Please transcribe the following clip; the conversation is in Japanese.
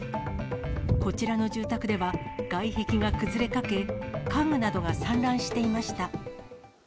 こちらの住宅では、外壁が崩れかけ、家具などが散乱していました。